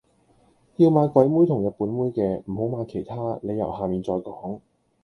要買鬼妹同日本妹嘅，唔好買其他，理由下面再講。